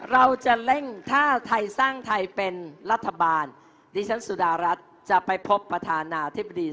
เราจะเร่งถ้าไทยสร้างไทยเป็นรัฐบาลดิฉันสุดารัฐจะไปพบประธานาธิบดี